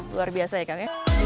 luar biasa ya kak